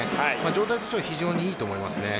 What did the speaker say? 状態としては非常に良いと思います。